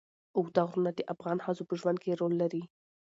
اوږده غرونه د افغان ښځو په ژوند کې رول لري.